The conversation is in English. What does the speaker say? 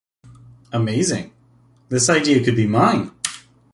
Amazing, this idea could be mine!